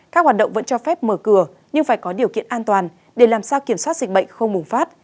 các hoạt động vẫn cho phép mở cửa nhưng phải có điều kiện an toàn để làm sao kiểm soát dịch bệnh không bùng phát